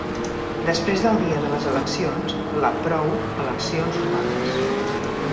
Després del dia de les eleccions, la Prou eleccions robades!